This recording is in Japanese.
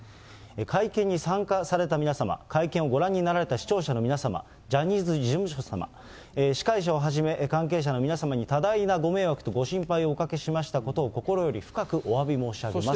会見に参加された皆様、会見をご覧になられた視聴者の皆様、ジャニーズ事務所様、司会者をはじめ関係者の皆様に多大なご迷惑とご心配をおかけしましたことを心より深くおわび申し上げますと。